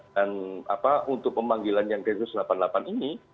dan untuk pemanggilan yang gesus delapan puluh delapan ini